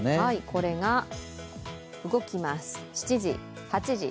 これが動きます